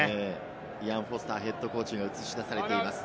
イアン・フォスターＨＣが映し出されています。